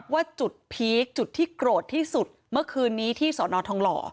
ว่าจุดพีคจุดที่โกรธที่สุดเมื่อคืนนี้ที่สอนอทองหล่อ